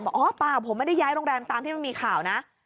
อ๋อเปล่าผมไม่ได้ย้ายโรงแรมตามที่มันมีข่าวนะ